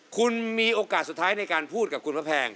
คุณมีโอกาสสุดท้ายในการพูดกับคุณพระแพง